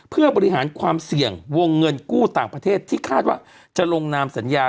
เพื่อบริหารความเสี่ยงวงเงินกู้ต่างประเทศที่คาดว่าจะลงนามสัญญา